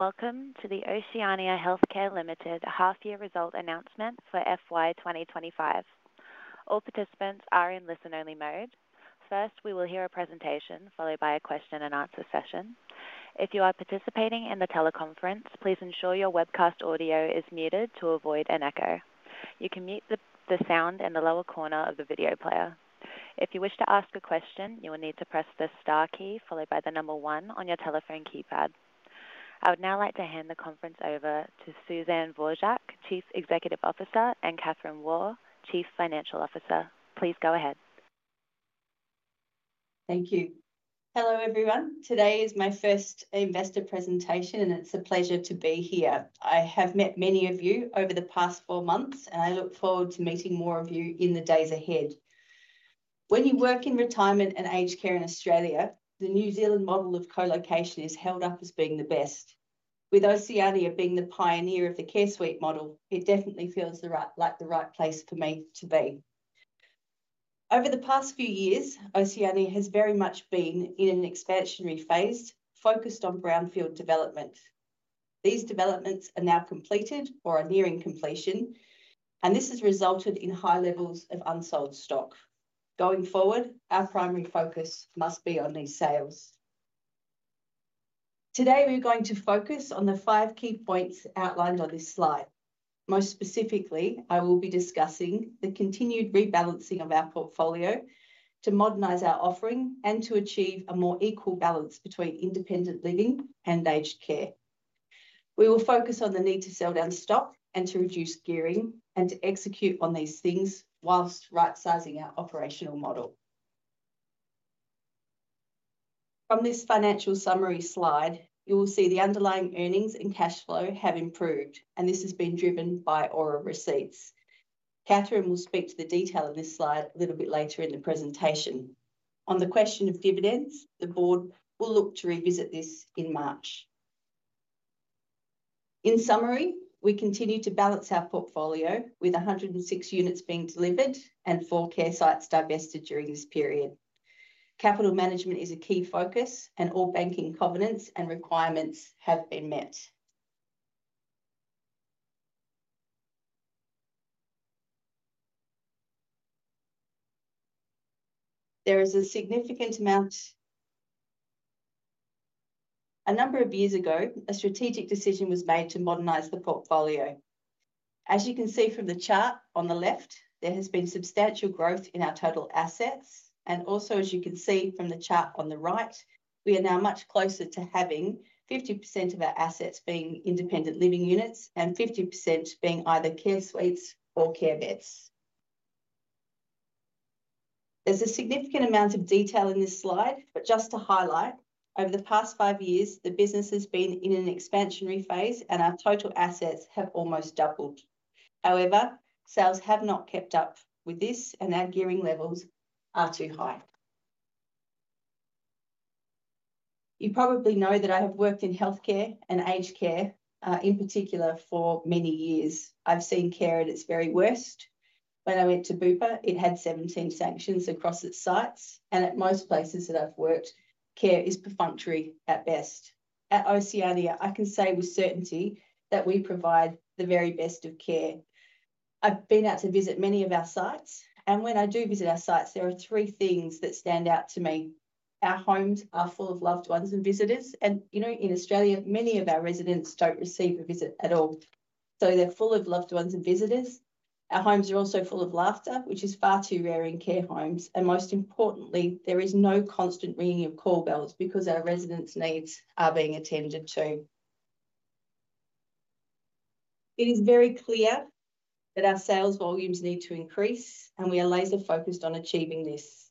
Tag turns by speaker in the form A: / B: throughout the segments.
A: Welcome to the Oceania Healthcare Limited half-year result announcement for FY2025. All participants are in listen-only mode. First, we will hear a presentation followed by a question-and-answer session. If you are participating in the teleconference, please ensure your webcast audio is muted to avoid an echo. You can mute the sound in the lower corner of the video player. If you wish to ask a question, you will need to press the star key followed by the number one on your telephone keypad. I would now like to hand the conference over to Suzanne Dvorak, Chief Executive Officer, and Kathryn Waugh, Chief Financial Officer. Please go ahead.
B: Thank you. Hello, everyone. Today is my first investor presentation, and it's a pleasure to be here. I have met many of you over the past four months, and I look forward to meeting more of you in the days ahead. When you work in retirement and aged care in Australia, the New Zealand model of co-location is held up as being the best. With Oceania being the pioneer of the Care Suites model, it definitely feels like the right place for me to be. Over the past few years, Oceania has very much been in an expansionary phase focused on brownfield development. These developments are now completed or are nearing completion, and this has resulted in high levels of unsold stock. Going forward, our primary focus must be on these sales. Today, we're going to focus on the five key points outlined on this slide. Most specifically, I will be discussing the continued rebalancing of our portfolio to modernize our offering and to achieve a more equal balance between independent living and aged care. We will focus on the need to sell down stock and to reduce gearing and to execute on these things whilst right-sizing our operational model. From this financial summary slide, you will see the underlying earnings and cash flow have improved, and this has been driven by ORA receipts. Kathryn will speak to the detail of this slide a little bit later in the presentation. On the question of dividends, the board will look to revisit this in March. In summary, we continue to balance our portfolio with 106 units being delivered and four care sites divested during this period. Capital management is a key focus, and all banking covenants and requirements have been met. There is a significant amount. A number of years ago, a strategic decision was made to modernize the portfolio. As you can see from the chart on the left, there has been substantial growth in our total assets, and also, as you can see from the chart on the right, we are now much closer to having 50% of our assets being independent living units and 50% being either Care Suites or Care Beds. There's a significant amount of detail in this slide, but just to highlight, over the past five years, the business has been in an expansionary phase, and our total assets have almost doubled. However, sales have not kept up with this, and our gearing levels are too high. You probably know that I have worked in healthcare and aged care in particular for many years. I've seen care at its very worst. When I went to Bupa, it had 17 sanctions across its sites. At most places that I've worked, care is perfunctory at best. At Oceania, I can say with certainty that we provide the very best of care. I've been out to visit many of our sites, and when I do visit our sites, there are three things that stand out to me. Our homes are full of loved ones and visitors. You know, in Australia, many of our residents don't receive a visit at all. So they're full of loved ones and visitors. Our homes are also full of laughter, which is far too rare in care homes. Most importantly, there is no constant ringing of call bells because our residents' needs are being attended to. It is very clear that our sales volumes need to increase, and we are laser-focused on achieving this.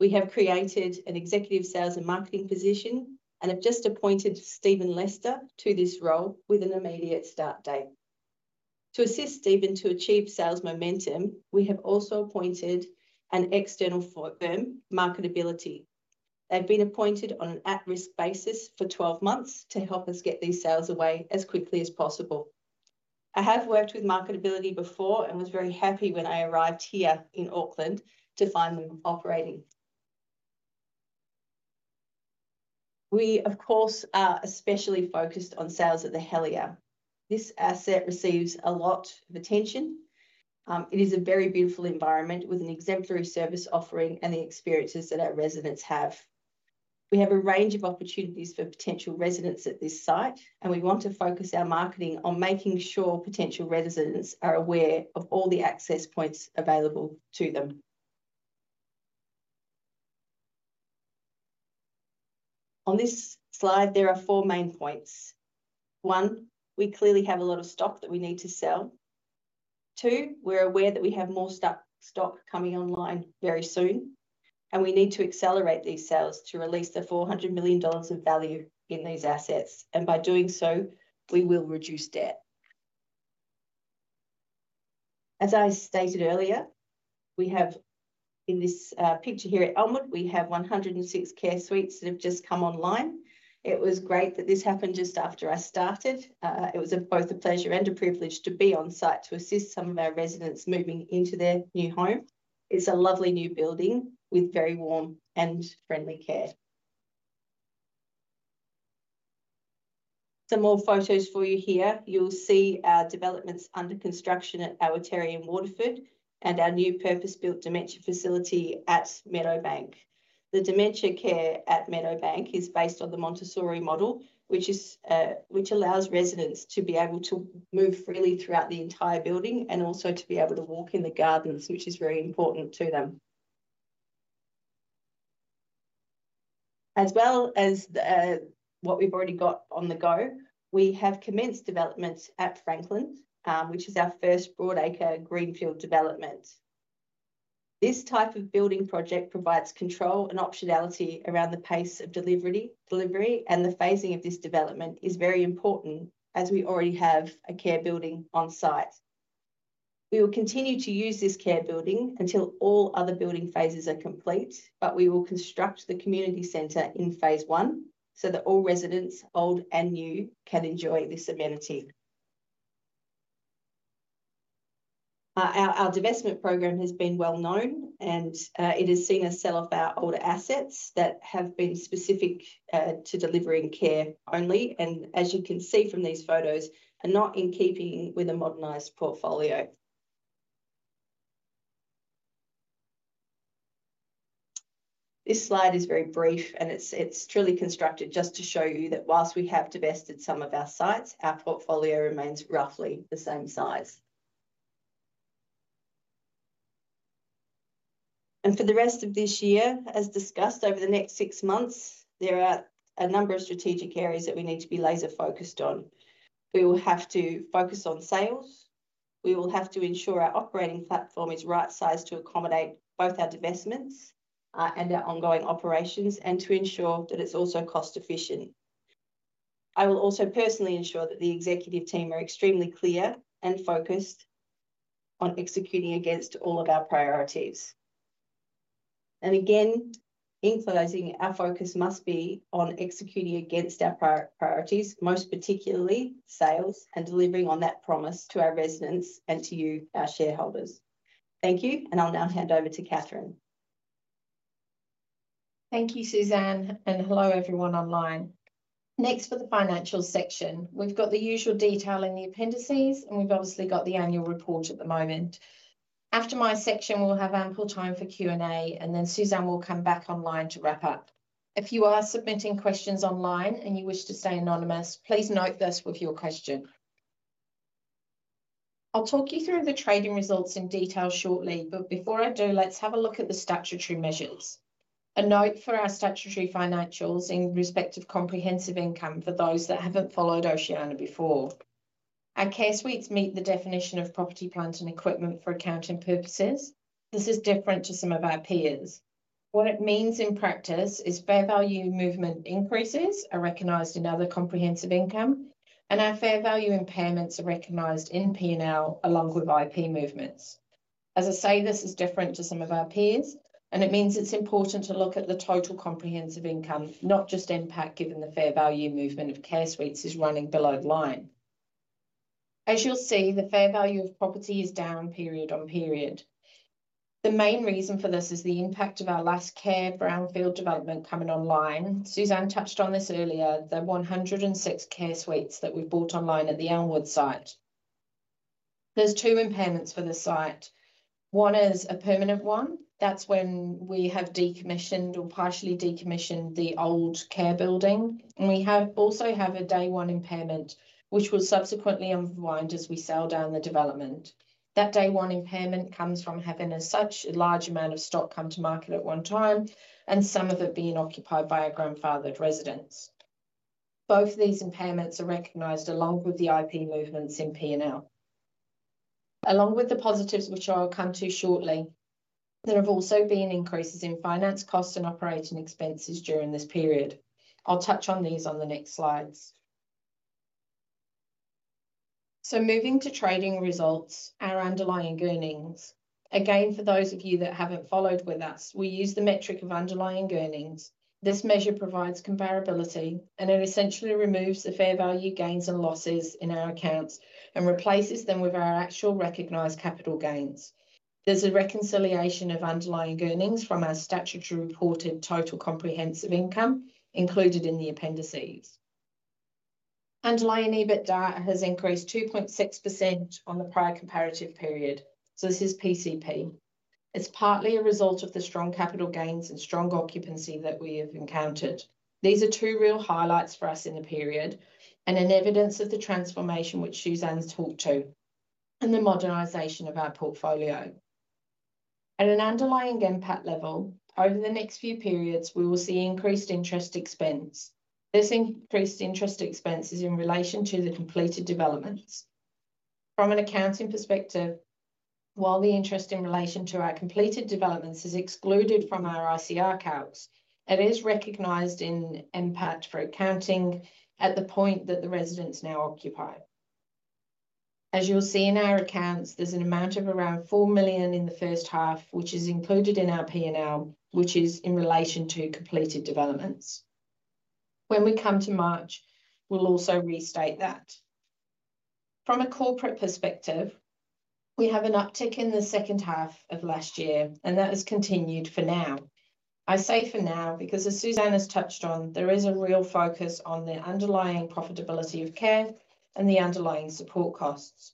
B: We have created an executive sales and marketing position and have just appointed Stephen Lester to this role with an immediate start date. To assist Stephen to achieve sales momentum, we have also appointed an external firm, Marketability. They've been appointed on an at-risk basis for 12 months to help us get these sales away as quickly as possible. I have worked with Marketability before and was very happy when I arrived here in Auckland to find them operating. We, of course, are especially focused on sales at the Helier. This asset receives a lot of attention. It is a very beautiful environment with an exemplary service offering and the experiences that our residents have. We have a range of opportunities for potential residents at this site, and we want to focus our marketing on making sure potential residents are aware of all the access points available to them. On this slide, there are four main points. One, we clearly have a lot of stock that we need to sell. Two, we're aware that we have more stock coming online very soon, and we need to accelerate these sales to release the 400 million dollars of value in these assets, and by doing so, we will reduce debt. As I stated earlier, we have in this picture here at Elmwood, we have 106 Care Suites that have just come online. It was great that this happened just after I started. It was both a pleasure and a privilege to be on site to assist some of our residents moving into their new home. It's a lovely new building with very warm and friendly care. Some more photos for you here. You'll see our developments under construction at Awatere and Waterford and our new purpose-built dementia facility at Meadowbank. The dementia care at Meadowbank is based on the Montessori model, which allows residents to be able to move freely throughout the entire building and also to be able to walk in the gardens, which is very important to them. As well as what we've already got on the go, we have commenced development at Franklin, which is our first broadacre greenfield development. This type of building project provides control and optionality around the pace of delivery and the phasing of this development is very important as we already have a care building on site. We will continue to use this care building until all other building phases are complete, but we will construct the community center in phase one so that all residents, old and new, can enjoy this amenity. Our divestment program has been well known, and it has seen us sell off our older assets that have been specific to delivering care only. And as you can see from these photos, are not in keeping with a modernized portfolio. This slide is very brief, and it's truly constructed just to show you that while we have divested some of our sites, our portfolio remains roughly the same size. And for the rest of this year, as discussed over the next six months, there are a number of strategic areas that we need to be laser-focused on. We will have to focus on sales. We will have to ensure our operating platform is right-sized to accommodate both our divestments and our ongoing operations and to ensure that it's also cost-efficient. I will also personally ensure that the executive team are extremely clear and focused on executing against all of our priorities, and again, in closing, our focus must be on executing against our priorities, most particularly sales and delivering on that promise to our residents and to you, our shareholders. Thank you, and I'll now hand over to Kathryn.
C: Thank you, Suzanne, and hello everyone online. Next, for the financial section, we've got the usual detail in the appendices, and we've obviously got the annual report at the moment. After my section, we'll have ample time for Q&A, and then Suzanne will come back online to wrap up. If you are submitting questions online and you wish to stay anonymous, please note this with your question. I'll talk you through the trading results in detail shortly, but before I do, let's have a look at the statutory measures. A note for our statutory financials in respect of comprehensive income for those that haven't followed Oceania before. Our Care Suites meet the definition of property, plant, and equipment for accounting purposes. This is different to some of our peers. What it means in practice is fair value movement increases are recognized in other comprehensive income, and our fair value impairments are recognized in P&L along with IP movements. As I say, this is different to some of our peers, and it means it's important to look at the total comprehensive income, not just impact given the fair value movement of Care Suites is running below the line. As you'll see, the fair value of property is down period on period. The main reason for this is the impact of our last care brownfield development coming online. Suzanne touched on this earlier, the 106 Care Suites that we've bought online at the Elmwood site. There's two impairments for the site. One is a permanent one. That's when we have decommissioned or partially decommissioned the old care building, and we also have a day-one impairment, which will subsequently unwind as we sell down the development. That day-one impairment comes from having such a large amount of stock come to market at one time and some of it being occupied by our grandfathered residents. Both of these impairments are recognized along with the IP movements in P&L. Along with the positives, which I'll come to shortly, there have also been increases in finance costs and operating expenses during this period. I'll touch on these on the next slides. Moving to trading results, our underlying earnings. Again, for those of you that haven't followed with us, we use the metric of underlying earnings. This measure provides comparability, and it essentially removes the fair value gains and losses in our accounts and replaces them with our actual recognized capital gains. There's a reconciliation of underlying earnings from our statutory reported total comprehensive income included in the appendices. Underlying EBITDA has increased 2.6% on the prior comparative period. So this is PCP. It's partly a result of the strong capital gains and strong occupancy that we have encountered. These are two real highlights for us in the period and an evidence of the transformation which Suzanne's talked to and the modernization of our portfolio. At an underlying NPAT level, over the next few periods, we will see increased interest expense. This increased interest expense is in relation to the completed developments. From an accounting perspective, while the interest in relation to our completed developments is excluded from our ICR calcs, it is recognized in NPAT for accounting at the point that the residents now occupy. As you'll see in our accounts, there's an amount of around 4 million in the first half, which is included in our P&L, which is in relation to completed developments. When we come to March, we'll also restate that. From a corporate perspective, we have an uptick in the second half of last year, and that has continued for now. I say for now because, as Suzanne has touched on, there is a real focus on the underlying profitability of care and the underlying support costs.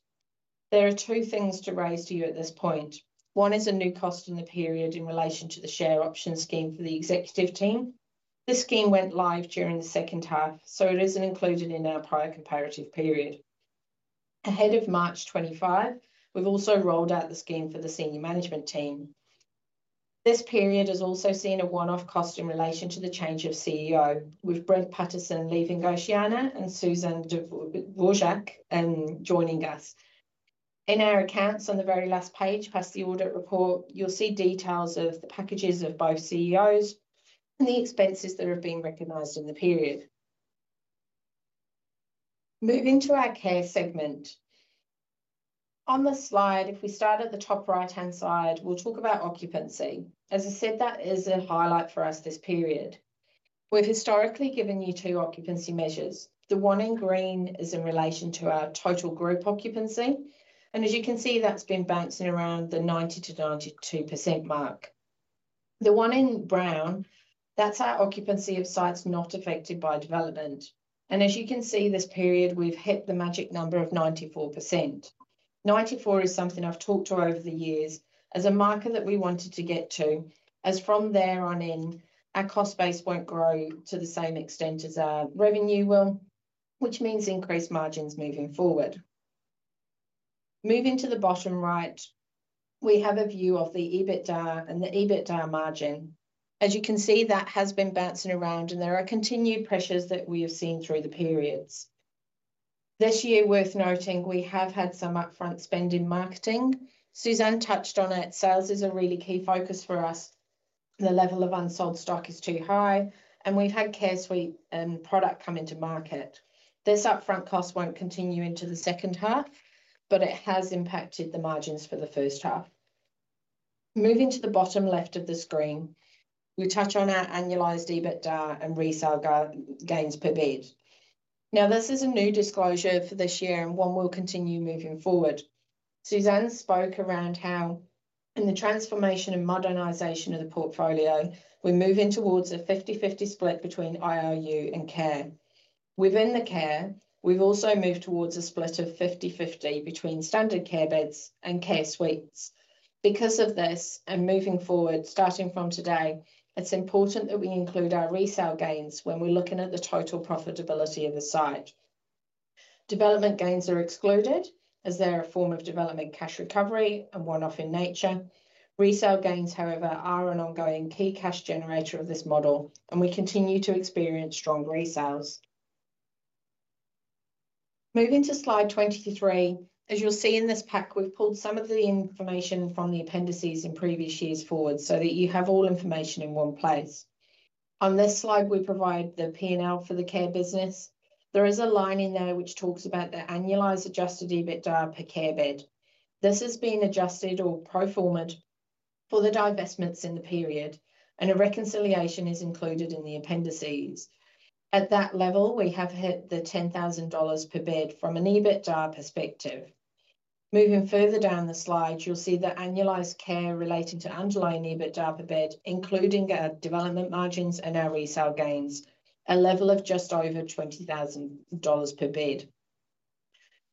C: There are two things to raise to you at this point. One is a new cost in the period in relation to the share option scheme for the executive team. This scheme went live during the second half, so it isn't included in our prior comparative period. Ahead of March 25, we've also rolled out the scheme for the senior management team. This period has also seen a one-off cost in relation to the change of CEO, with Brent Pattison leaving Oceania and Suzanne Dvorak joining us. In our accounts on the very last page, past the audit report, you'll see details of the packages of both CEOs and the expenses that have been recognized in the period. Moving to our care segment. On the slide, if we start at the top right-hand side, we'll talk about occupancy. As I said, that is a highlight for us this period. We've historically given you two occupancy measures. The one in green is in relation to our total group occupancy. As you can see, that's been bouncing around the 90%-92% mark. The one in brown, that's our occupancy of sites not affected by development. As you can see, this period, we've hit the magic number of 94%. 94 is something I've talked to over the years as a marker that we wanted to get to, as from there on in, our cost base won't grow to the same extent as our revenue will, which means increased margins moving forward. Moving to the bottom right, we have a view of the EBITDA and the EBITDA margin. As you can see, that has been bouncing around, and there are continued pressures that we have seen through the periods. This year, worth noting, we have had some upfront spend in marketing. Suzanne touched on it. Sales is a really key focus for us. The level of unsold stock is too high, and we've had Care Suites product come into market. This upfront cost won't continue into the second half, but it has impacted the margins for the first half. Moving to the bottom left of the screen, we touch on our annualized EBITDA and resale gains per bed. Now, this is a new disclosure for this year and one we'll continue moving forward. Suzanne spoke around how in the transformation and modernization of the portfolio, we're moving towards a 50-50 split between ILU and care. Within the care, we've also moved towards a split of 50-50 between standard Care Beds and Care Suites. Because of this, and moving forward, starting from today, it's important that we include our resale gains when we're looking at the total profitability of the site. Development gains are excluded as they're a form of development cash recovery and one-off in nature. Resale gains, however, are an ongoing key cash generator of this model, and we continue to experience strong resales. Moving to slide 23, as you'll see in this pack, we've pulled some of the information from the appendices in previous years forward so that you have all information in one place. On this slide, we provide the P&L for the care business. There is a line in there which talks about the annualized Adjusted EBITDA per care bed. This has been adjusted or pro forma'd for the divestments in the period, and a reconciliation is included in the appendices. At that level, we have hit the 10,000 dollars per bed from an EBITDA perspective. Moving further down the slide, you'll see the annualized care relating to underlying EBITDA per bed, including our development margins and our resale gains, a level of just over 20,000 dollars per bed.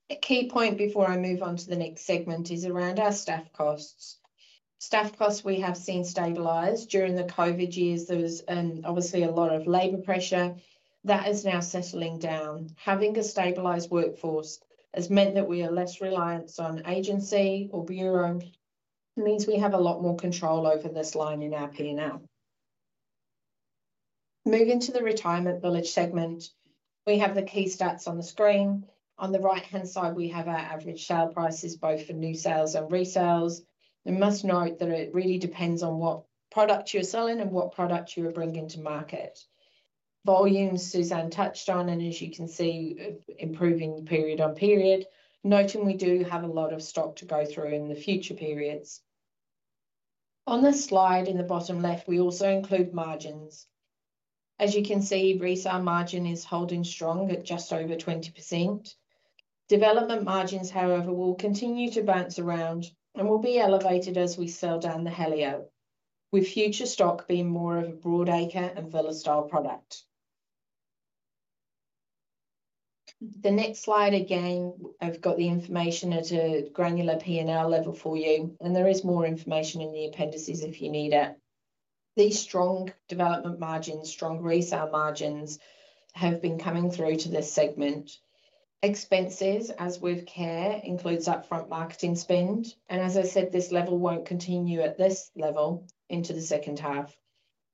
C: A key point before I move on to the next segment is around our staff costs. Staff costs we have seen stabilize during the COVID years. There was obviously a lot of labor pressure that is now settling down. Having a stabilized workforce has meant that we are less reliant on agency or bureau. It means we have a lot more control over this line in our P&L. Moving to the retirement village segment, we have the key stats on the screen. On the right-hand side, we have our average sale prices, both for new sales and resales. We must note that it really depends on what product you're selling and what product you're bringing to market. Volumes, Suzanne touched on, and as you can see, improving period on period. Noting we do have a lot of stock to go through in the future periods. On this slide in the bottom left, we also include margins. As you can see, resale margin is holding strong at just over 20%. Development margins, however, will continue to bounce around and will be elevated as we sell down the Helier, with future stock being more of a broadacre and villa-style product. The next slide again, I've got the information at a granular P&L level for you, and there is more information in the appendices if you need it. These strong development margins, strong resale margins have been coming through to this segment. Expenses, as with care, includes upfront marketing spend. As I said, this level won't continue at this level into the second half.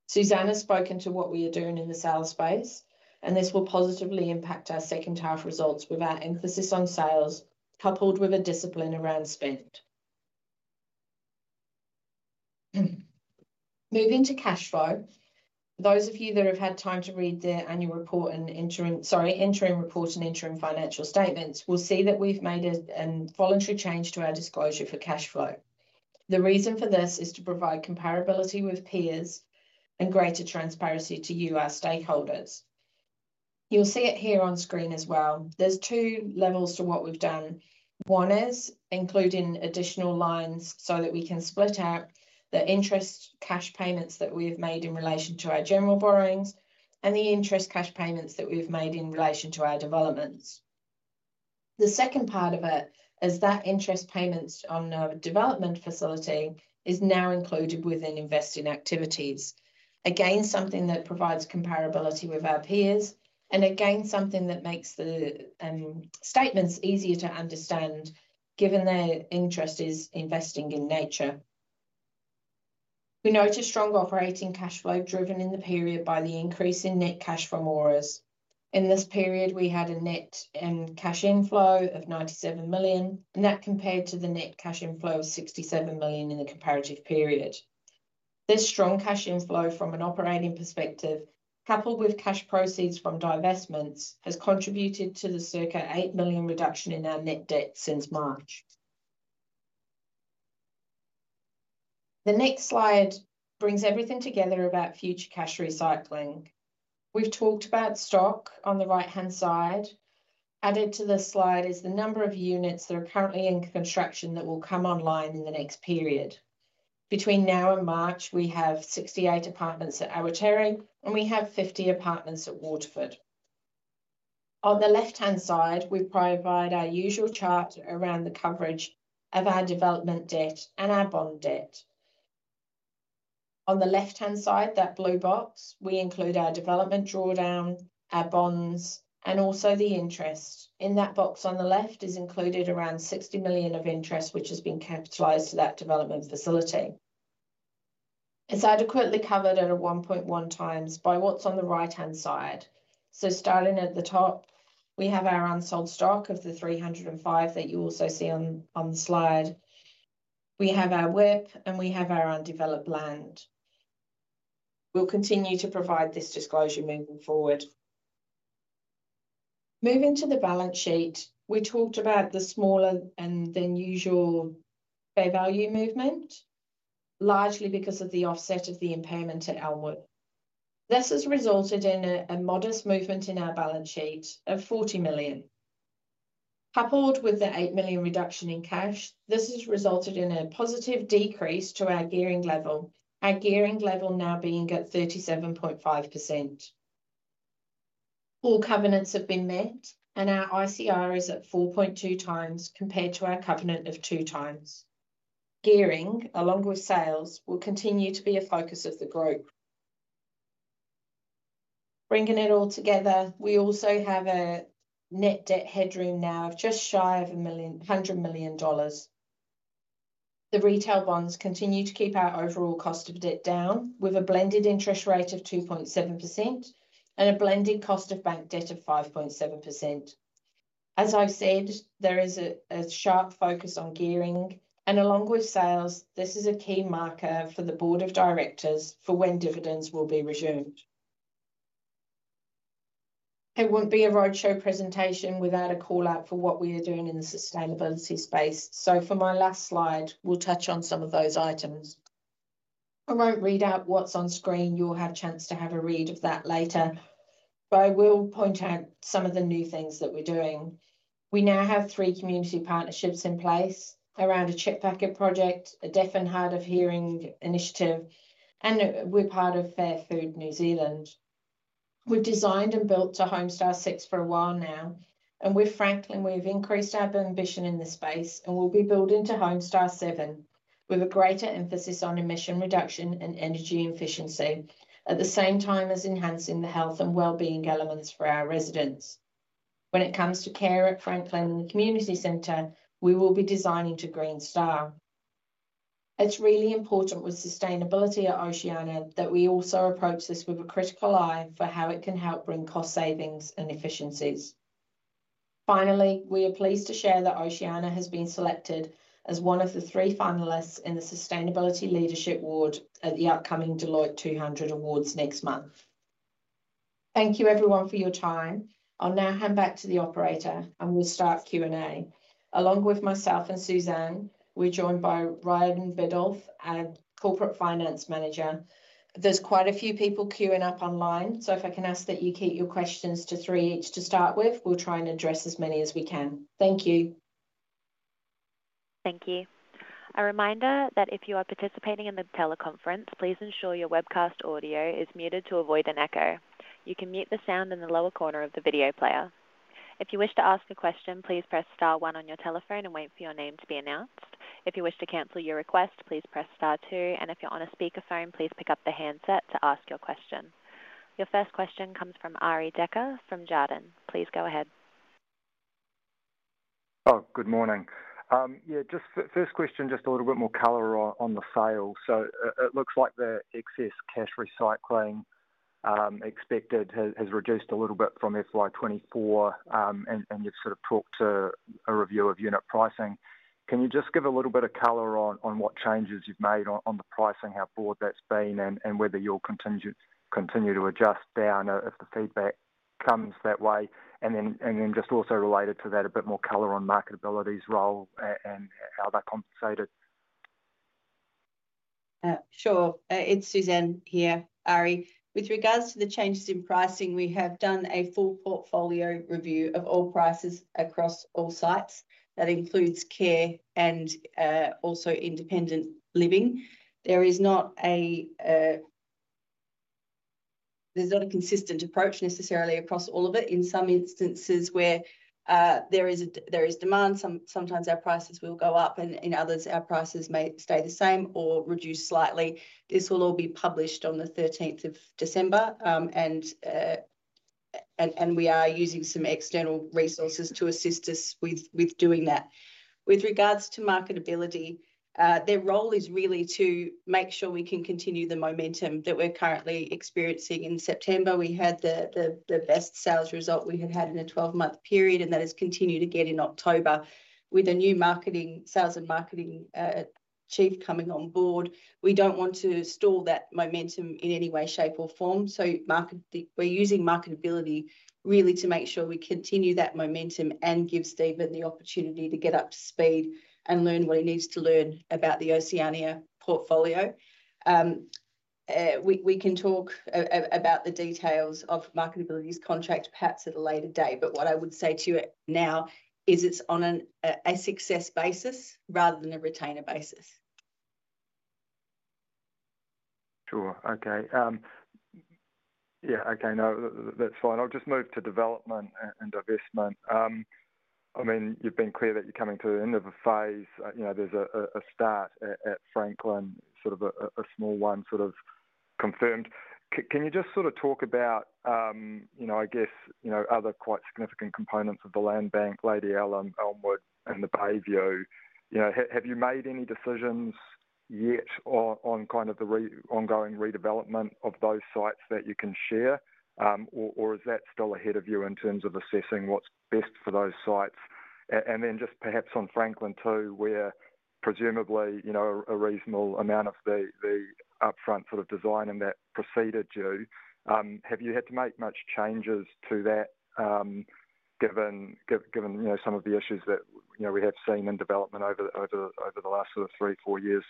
C: Suzanne has spoken to what we are doing in the sales space, and this will positively impact our second half results with our emphasis on sales, coupled with a discipline around spend. Moving to cash flow. Those of you that have had time to read the annual report and interim report and interim financial statements will see that we've made a voluntary change to our disclosure for cash flow. The reason for this is to provide comparability with peers and greater transparency to you, our stakeholders. You'll see it here on screen as well. There's two levels to what we've done. One is including additional lines so that we can split out the interest cash payments that we have made in relation to our general borrowings and the interest cash payments that we have made in relation to our developments. The second part of it is that interest payments on our development facility is now included within investing activities. Again, something that provides comparability with our peers and again, something that makes the statements easier to understand given their interest is investing in nature. We notice strong operating cash flow driven in the period by the increase in net cash from ORAs. In this period, we had a net cash inflow of 97 million, and that compared to the net cash inflow of 67 million in the comparative period. This strong cash inflow from an operating perspective, coupled with cash proceeds from divestments, has contributed to the circa 8 million reduction in our net debt since March. The next slide brings everything together about future cash recycling. We've talked about stock on the right-hand side. Added to the slide is the number of units that are currently in construction that will come online in the next period. Between now and March, we have 68 apartments at Awatere, and we have 50 apartments at Waterford. On the left-hand side, we provide our usual chart around the coverage of our development debt and our bond debt. On the left-hand side, that blue box, we include our development drawdown, our bonds, and also the interest. In that box on the left is included around 60 million of interest, which has been capitalized to that development facility. It's adequately covered at a 1.1 times by what's on the right-hand side. So starting at the top, we have our unsold stock of the 305 that you also see on the slide. We have our WIP, and we have our undeveloped land. We'll continue to provide this disclosure moving forward. Moving to the balance sheet, we talked about the smaller than usual fair value movement, largely because of the offset of the impairment at Elmwood. This has resulted in a modest movement in our balance sheet of 40 million. Coupled with the 8 million reduction in cash, this has resulted in a positive decrease to our gearing level, our gearing level now being at 37.5%. All covenants have been met, and our ICR is at 4.2 times compared to our covenant of two times. Gearing, along with sales, will continue to be a focus of the group. Bringing it all together, we also have a net debt headroom now of just shy of 100 million. The retail bonds continue to keep our overall cost of debt down with a blended interest rate of 2.7% and a blended cost of bank debt of 5.7%. As I've said, there is a sharp focus on gearing, and along with sales, this is a key marker for the board of directors for when dividends will be resumed. It won't be a roadshow presentation without a call out for what we are doing in the sustainability space. So for my last slide, we'll touch on some of those items. I won't read out what's on screen. You'll have a chance to have a read of that later, but I will point out some of the new things that we're doing. We now have three community partnerships in place around a Chip Packet project, a Deaf and Hard of Hearing initiative, and we're part of Fair Food New Zealand. We've designed and built to Homestar 6 for a while now, and with Franklin, we've increased our ambition in this space and will be building to Homestar 7 with a greater emphasis on emission reduction and energy efficiency at the same time as enhancing the health and well-being elements for our residents. When it comes to care at Franklin and the community centre, we will be designing to Green Star. It's really important with sustainability at Oceania that we also approach this with a critical eye for how it can help bring cost savings and efficiencies. Finally, we are pleased to share that Oceania has been selected as one of the three finalists in the Sustainability Leadership Award at the upcoming Deloitte Top 200 Awards next month. Thank you everyone for your time. I'll now hand back to the operator, and we'll start Q&A. Along with myself and Suzanne, we're joined by Ryan Bedolph, our Corporate Finance Manager. There's quite a few people queuing up online, so if I can ask that you keep your questions to three each to start with, we'll try and address as many as we can. Thank you.
A: Thank you. A reminder that if you are participating in the teleconference, please ensure your webcast audio is muted to avoid an echo. You can mute the sound in the lower corner of the video player. If you wish to ask a question, please press star one on your telephone and wait for your name to be announced. If you wish to cancel your request, please press star two, and if you're on a speakerphone, please pick up the handset to ask your question. Your first question comes from Arie Dekker from Jarden. Please go ahead.
D: Oh, good morning. Yeah, just first question, just a little bit more color on the sales. So it looks like the excess cash recycling expected has reduced a little bit from FY2024, and you've sort of talked to a review of unit pricing. Can you just give a little bit of color on what changes you've made on the pricing, how broad that's been, and whether you'll continue to adjust down if the feedback comes that way? And then just also related to that, a bit more color on Marketability's role and how that compensated.
B: Sure. It's Suzanne here, Arie. With regards to the changes in pricing, we have done a full portfolio review of all prices across all sites. That includes care and also independent living. There is not a consistent approach necessarily across all of it. In some instances where there is demand, sometimes our prices will go up, and in others, our prices may stay the same or reduce slightly. This will all be published on the 13th of December, and we are using some external resources to assist us with doing that. With regards to Marketability, their role is really to make sure we can continue the momentum that we're currently experiencing. In September, we had the best sales result we had had in a 12-month period, and that has continued again in October. With a new sales and marketing chief coming on board, we don't want to stall that momentum in any way, shape, or form. So we're using Marketability really to make sure we continue that momentum and give Stephen the opportunity to get up to speed and learn what he needs to learn about the Oceania portfolio. We can talk about the details of Marketability's contract perhaps at a later date, but what I would say to it now is it's on a success basis rather than a retainer basis.
D: Sure. Okay. Yeah. Okay. No, that's fine. I'll just move to development and divestment. I mean, you've been clear that you're coming to the end of a phase. There's a start at Franklin, sort of a small one sort of confirmed. Can you just sort of talk about, I guess, other quite significant components of the land bank, Lady Allum, Elmwood, and the Bayview? Have you made any decisions yet on kind of the ongoing redevelopment of those sites that you can share, or is that still ahead of you in terms of assessing what's best for those sites? And then just perhaps on Franklin too, where presumably a reasonable amount of the upfront sort of design and that preceded you. Have you had to make much changes to that given some of the issues that we have seen in development over the last sort of three, four years?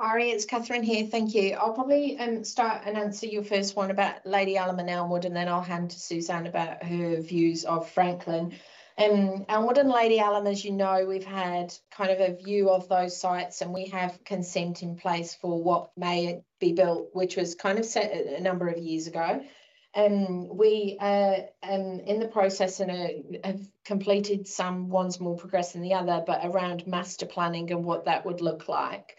C: Arie, it's Kathryn here. Thank you. I'll probably start and answer your first one about Lady Allum and Elmwood, and then I'll hand to Suzanne about her views of Franklin. Elmwood and Lady Allum, as you know, we've had kind of a view of those sites, and we have consent in place for what may be built, which was kind of set a number of years ago. We are in the process and have completed some ones more progress than the other, but around master planning and what that would look like.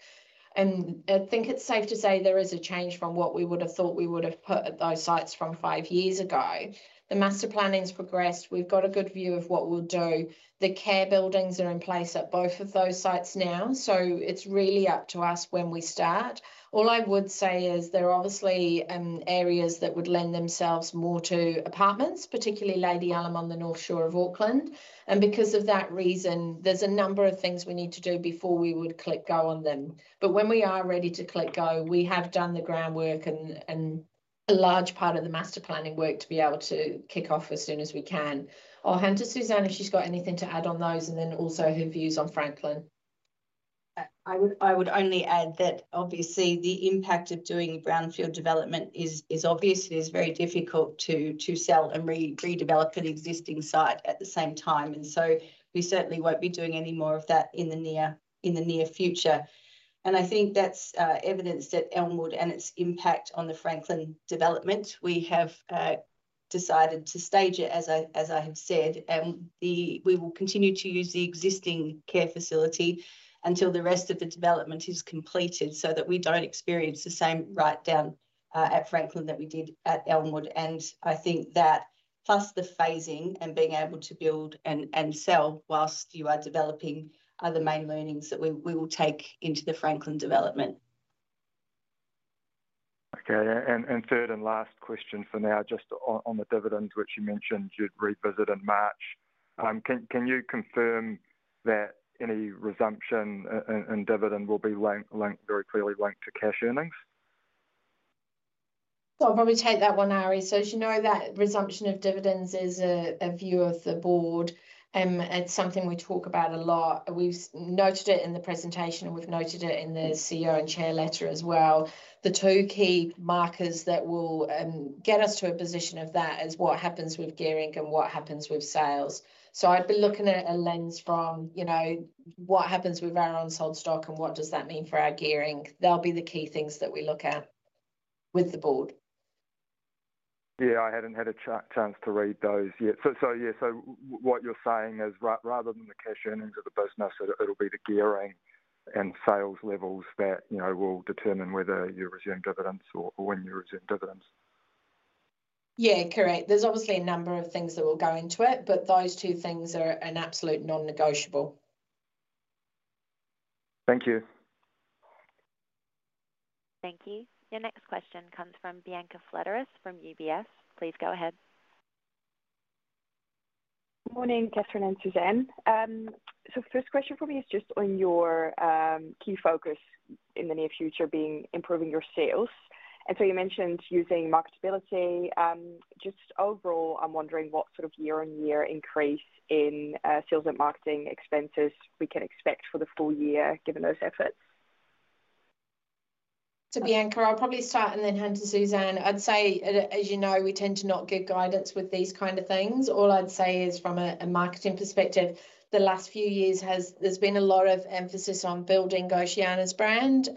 C: I think it's safe to say there is a change from what we would have thought we would have put at those sites from five years ago. The master planning's progressed. We've got a good view of what we'll do. The care buildings are in place at both of those sites now, so it's really up to us when we start. All I would say is there are obviously areas that would lend themselves more to apartments, particularly Lady Allum on the North Shore of Auckland. And because of that reason, there's a number of things we need to do before we would click go on them. But when we are ready to click go, we have done the groundwork and a large part of the master planning work to be able to kick off as soon as we can. I'll hand to Suzanne if she's got anything to add on those and then also her views on Franklin.
B: I would only add that obviously the impact of doing brownfield development is obvious. It is very difficult to sell and redevelop an existing site at the same time, so we certainly won't be doing any more of that in the near future, and I think that's evident at Elmwood and its impact on the Franklin development. We have decided to stage it, as I have said, and we will continue to use the existing care facility until the rest of the development is completed so that we don't experience the same write-down at Franklin that we did at Elmwood, and I think that plus the phasing and being able to build and sell while you are developing are the main learnings that we will take into the Franklin development.
D: Okay, and third and last question for now, just on the dividends, which you mentioned you'd revisit in March. Can you confirm that any resumption in dividend will be very clearly linked to cash earnings?
C: I'll probably take that one, Arie, so as you know, that resumption of dividends is a view of the board. It's something we talk about a lot. We've noted it in the presentation, and we've noted it in the CEO and chair letter as well. The two key markers that will get us to a position of that is what happens with gearing and what happens with sales, so I'd be looking at a lens from what happens with our unsold stock and what does that mean for our gearing. They'll be the key things that we look at with the board.
D: Yeah. I hadn't had a chance to read those yet. So yeah, so what you're saying is rather than the cash earnings of the business, it'll be the gearing and sales levels that will determine whether you resume dividends or when you resume dividends.
C: Yeah. Correct. There's obviously a number of things that will go into it, but those two things are an absolute non-negotiable.
D: Thank you.
A: Thank you. Your next question comes from Bianca Flett from UBS. Please go ahead.
E: Good morning, Kathryn and Suzanne. So first question for me is just on your key focus in the near future being improving your sales. And so you mentioned using Marketability. Just overall, I'm wondering what sort of year-on-year increase in sales and marketing expenses we can expect for the full year given those efforts.
C: To Bianca, I'll probably start and then hand to Suzanne. I'd say, as you know, we tend to not give guidance with these kind of things. All I'd say is from a marketing perspective, the last few years there's been a lot of emphasis on building Oceania's brand.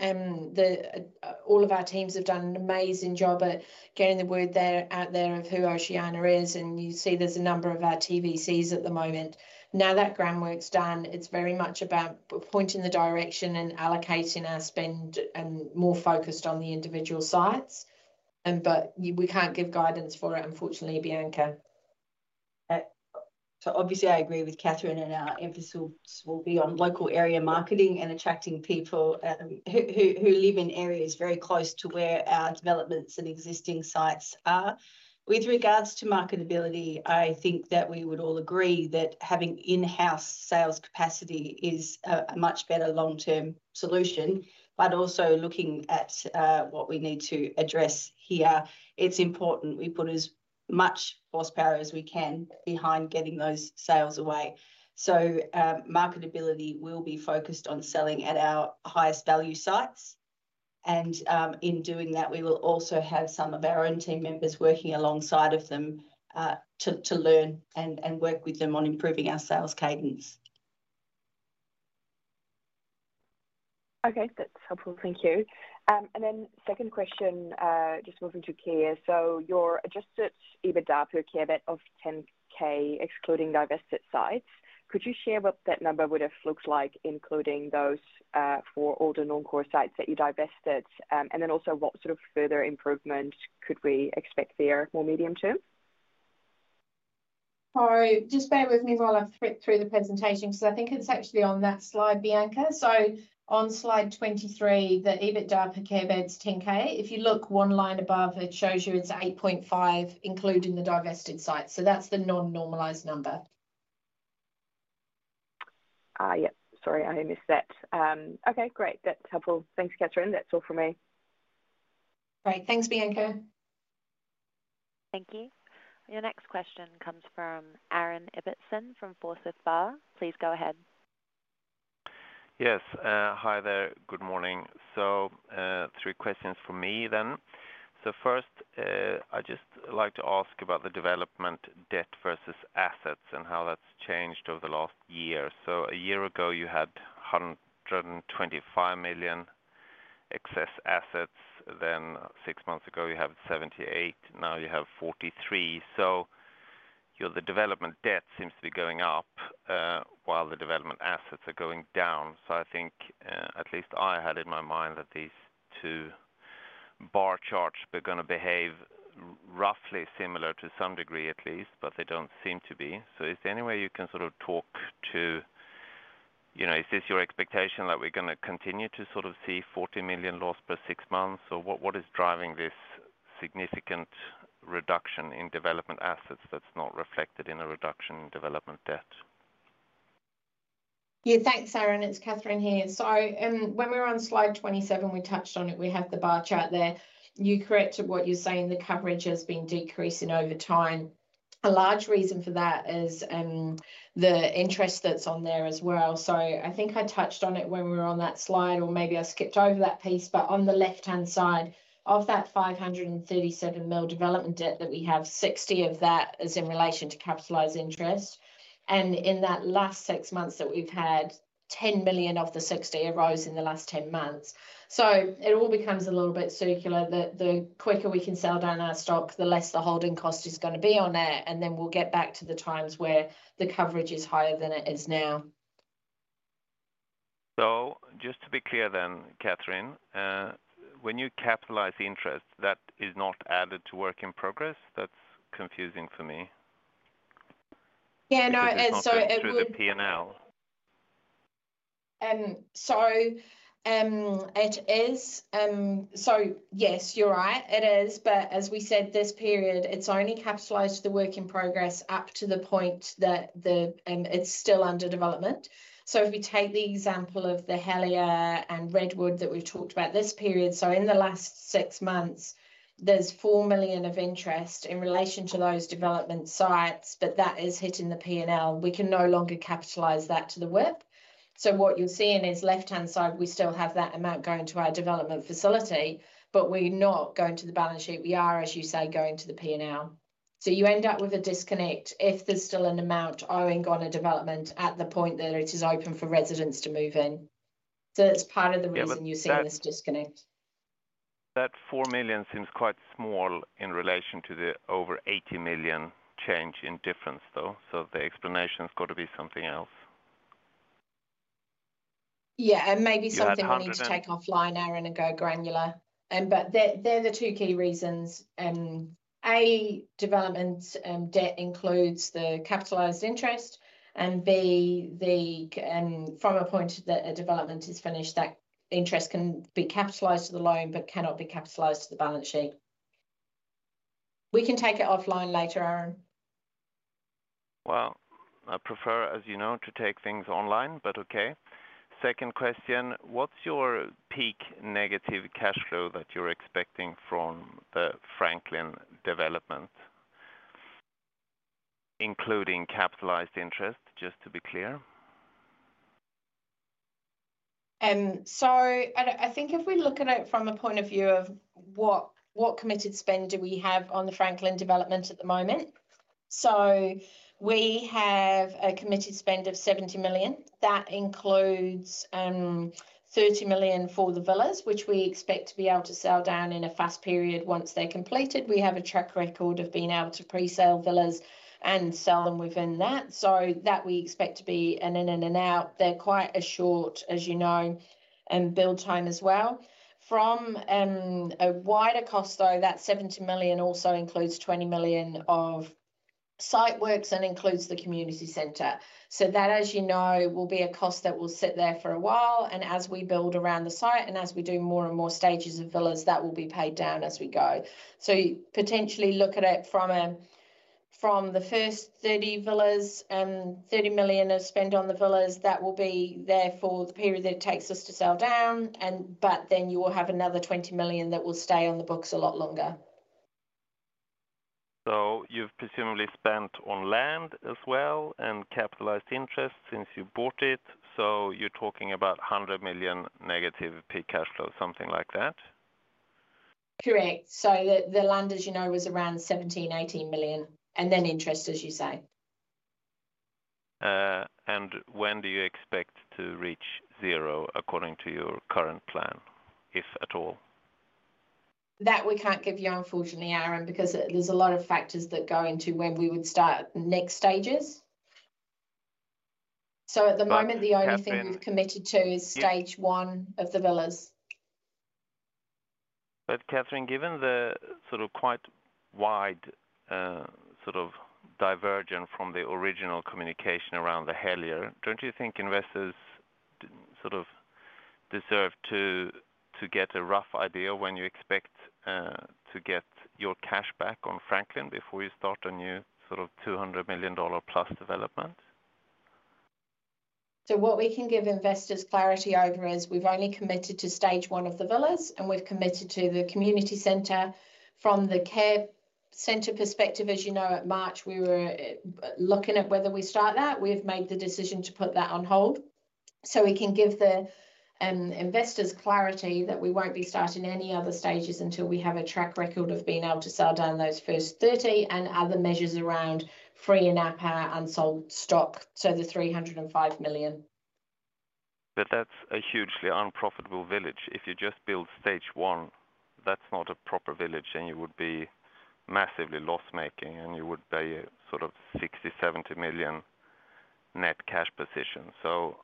C: All of our teams have done an amazing job at getting the word out there of who Oceania is, and you see there's a number of our TVCs at the moment. Now that groundwork's done, it's very much about pointing the direction and allocating our spend and more focused on the individual sites. But we can't give guidance for it, unfortunately, Bianca.
B: So obviously, I agree with Kathryn, and our emphasis will be on local area marketing and attracting people who live in areas very close to where our developments and existing sites are. With regards to marketability, I think that we would all agree that having in-house sales capacity is a much better long-term solution. But also looking at what we need to address here, it's important we put as much horsepower as we can behind getting those sales away. So marketability will be focused on selling at our highest value sites. And in doing that, we will also have some of our own team members working alongside of them to learn and work with them on improving our sales cadence.
E: Okay. That's helpful. Thank you. And then second question, just moving to care. So you're Adjusted EBITDA per care bed of 10K, excluding divested sites. Could you share what that number would have looked like, including those for all the non-core sites that you divested? And then also what sort of further improvement could we expect there, more medium term?
C: Sorry. Just bear with me while I flip through the presentation because I think it's actually on that slide, Bianca. So on slide 23, the EBITDA per care bed's 10K. If you look one line above, it shows you it's 8.5, including the divested sites. So that's the non-normalized number.
E: Yep. Sorry, I missed that. Okay. Great. That's helpful. Thanks, Kathryn. That's all for me.
C: Great. Thanks, Bianca.
A: Thank you. Your next question comes from Aaron Ibbotson from Forsyth Barr. Please go ahead.
F: Yes. Hi there. Good morning. So three questions for me then. So first, I'd just like to ask about the development debt versus assets and how that's changed over the last year. So a year ago, you had 125 million excess assets. Then six months ago, you had 78. Now you have 43. So the development debt seems to be going up while the development assets are going down. So I think, at least I had in my mind that these two bar charts are going to behave roughly similar to some degree at least, but they don't seem to be. So is there any way you can sort of talk to is this your expectation that we're going to continue to sort of see 40 million lost per six months? Or what is driving this significant reduction in development assets that's not reflected in a reduction in development debt?
C: Yeah. Thanks, Aaron. It's Kathryn here. So when we were on slide 27, we touched on it. We have the bar chart there. You're correct in what you're saying. The coverage has been decreasing over time. A large reason for that is the interest that's on there as well. I think I touched on it when we were on that slide, or maybe I skipped over that piece. But on the left-hand side of that 537 million development debt that we have, 60 million of that is in relation to capitalized interest. And in that last six months that we've had, 10 million of the 60 million arose in the last 10 months. So it all becomes a little bit circular. The quicker we can sell down our stock, the less the holding cost is going to be on there. And then we'll get back to the times where the coverage is higher than it is now.
F: Just to be clear then, Kathryn, when you capitalize interest, that is not added to work in progress? That's confusing for me.
C: Yeah. No. And so it would.
F: Or is it through the P&L?
C: Yes, you're right. It is. But as we said, this period, it's only capitalised to the work in progress up to the point that it's still under development. So if we take the example of the Helier and Elmwood that we've talked about this period, so in the last six months, there's 4 million of interest in relation to those development sites, but that is hitting the P&L. We can no longer capitalise that to the WIP. So what you're seeing is left-hand side, we still have that amount going to our development facility, but we're not going to the balance sheet. We are, as you say, going to the P&L. So you end up with a disconnect if there's still an amount owing on a development at the point that it is open for residents to move in. So that's part of the reason you're seeing this disconnect.
F: That 4 million seems quite small in relation to the over 80 million change in difference, though. So the explanation's got to be something else.
C: Yeah, and maybe something we need to take offline, Aaron, and go granular, but they're the two key reasons. A, development debt includes the capitalized interest. And B, from a point that a development is finished, that interest can be capitalized to the loan but cannot be capitalized to the balance sheet. We can take it offline later, Aaron.
F: Well, I prefer, as you know, to take things online, but okay. Second question, what's your peak negative cash flow that you're expecting from the Franklin development, including capitalized interest, just to be clear?
C: So I think if we look at it from a point of view of what committed spend do we have on the Franklin development at the moment. So we have a committed spend of 70 million. That includes 30 million for the villas, which we expect to be able to sell down in a fast period once they're completed. We have a track record of being able to pre-sell villas and sell them within that. So that we expect to be an in and an out. They're quite a short, as you know, build time as well. From a wider cost, though, that 70 million also includes 20 million of site works and includes the community centre. So that, as you know, will be a cost that will sit there for a while. And as we build around the site and as we do more and more stages of villas, that will be paid down as we go. So potentially look at it from the first 30 villas, 30 million of spend on the villas. That will be there for the period that it takes us to sell down. But then you will have another 20 million that will stay on the books a lot longer.
F: So you've presumably spent on land as well and capitalized interest since you bought it. So you're talking about 100 million negative peak cash flow, something like that?
C: Correct. So the land, as you know, was around 17-18 million. And then interest, as you say.
F: And when do you expect to reach zero, according to your current plan, if at all?
C: That we can't give you, unfortunately, Aaron, because there's a lot of factors that go into when we would start next stages. So at the moment, the only thing we've committed to is stage one of the villas.
F: But Kathryn, given the sort of quite wide sort of divergence from the original communication around the Helier, don't you think investors sort of deserve to get a rough idea when you expect to get your cash back on Franklin before you start a new sort of 200 million dollar plus development?
C: So what we can give investors clarity over is we've only committed to stage one of the villas, and we've committed to the community centre. From the care centre perspective, as you know, at March, we were looking at whether we start that. We've made the decision to put that on hold. So we can give the investors clarity that we won't be starting any other stages until we have a track record of being able to sell down those first 30 and other measures around freeing up our unsold stock to the 305 million.
F: But that's a hugely unprofitable village. If you just build stage one, that's not a proper village, and you would be massively loss-making, and you would pay a sort of 60-70 million net cash position. So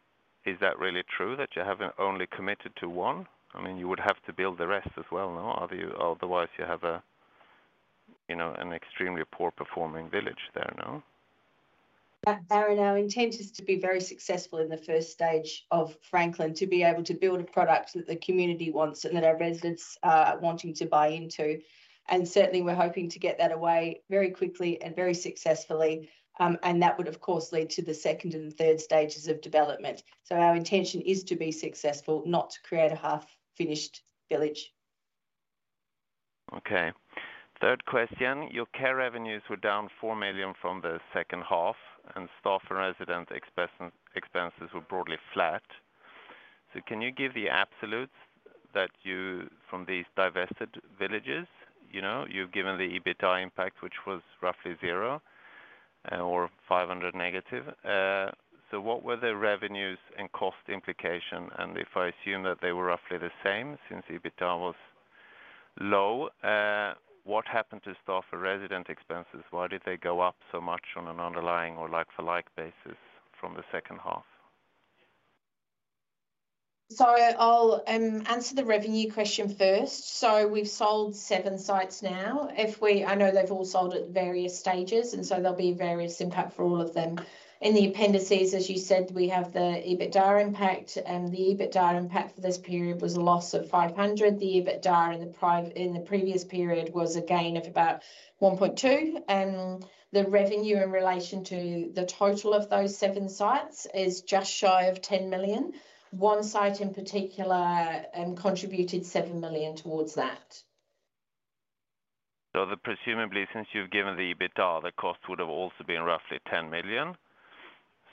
F: is that really true that you haven't only committed to one? I mean, you would have to build the rest as well, no? Otherwise, you have an extremely poor-performing village there, no?
C: Aaron, Oceania tends to be very successful in the first stage of Franklin to be able to build a product that the community wants and that our residents are wanting to buy into. And certainly, we're hoping to get that away very quickly and very successfully. And that would, of course, lead to the second and third stages of development. So our intention is to be successful, not to create a half-finished village.
F: Okay. Third question, your care revenues were down 4 million from the second half, and staff and resident expenses were broadly flat. So can you give the absolutes that you got from these divested villages? You've given the EBITDA impact, which was roughly zero or 500 negative. So what were the revenues and cost implication? And if I assume that they were roughly the same since EBITDA was low, what happened to staff and resident expenses? Why did they go up so much on an underlying or like-for-like basis from the second half?
C: So I'll answer the revenue question first. So we've sold seven sites now. I know they've all sold at various stages, and so there'll be various impact for all of them. In the appendices, as you said, we have the EBITDA impact. The EBITDA impact for this period was a loss of 500. The EBITDA in the previous period was a gain of about 1.2 million. The revenue in relation to the total of those seven sites is just shy of 10 million. One site in particular contributed 7 million towards that.
F: Presumably, since you've given the EBITDA, the cost would have also been roughly 10 million.